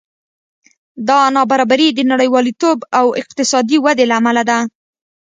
دا نابرابري د نړیوالتوب او اقتصادي ودې له امله ده